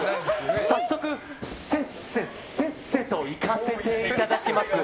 早速、せっせせっせといかせていただきます。